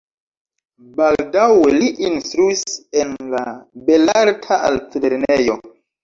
Baldaŭe li instruis en la belarta altlernejo.